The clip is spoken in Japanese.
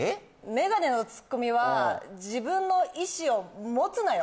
メガネのツッコミは自分の意思を持つなよ